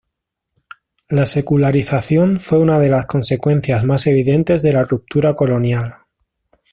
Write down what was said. La secularización fue una de las consecuencias más evidentes de la ruptura colonial.